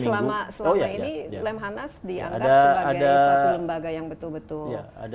selama ini lemhanas dianggap sebagai suatu lembaga yang betul betul